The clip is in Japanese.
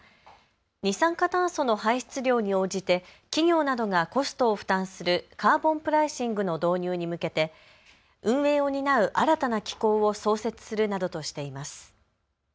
二酸化炭素の排出量に応じて企業などがコストを負担するカーボンプライシングの導入に向けて運営を担う新たな機構を創設するなどとしています。